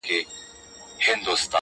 چي زما یادیږي دا قلاوي دا سمسور باغونه-